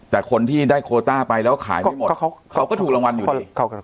แต่คนที่ได้โคต้าไปแล้วขายไม่หมดเขาก็ถูกรางวัลอยู่ที่